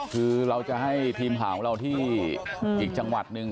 คือเราจะให้ทีมข่าวของเราที่อีกจังหวัดหนึ่ง